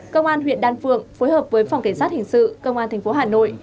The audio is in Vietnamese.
công an huyện đan phượng phối hợp với phòng cảnh sát hình sự công an tp hà nội